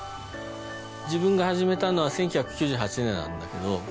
自分が始めたのは１９９８年なんだけど。